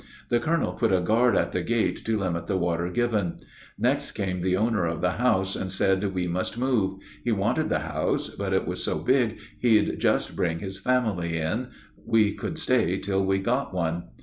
The colonel put a guard at the gate to limit the water given. Next came the owner of the house and said we must move; he wanted the house, but it was so big he'd just bring his family in; we could stay till we got one.